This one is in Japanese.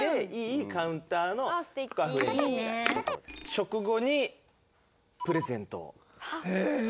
食後にプレゼントを。